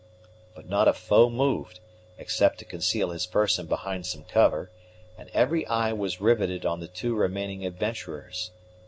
But not a foe moved, except to conceal his person behind some cover; and every eye was riveted on the two remaining adventurers.